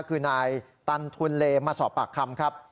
คือนายตันทุนเลมาสอบปากคำครับ